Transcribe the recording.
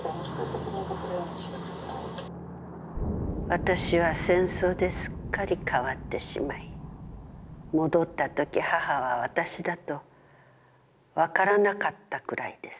「私は戦争ですっかり変わってしまい、戻ったとき母は私だと分からなかったくらいです。